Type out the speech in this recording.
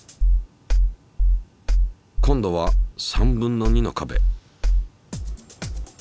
今度は３分の２の壁。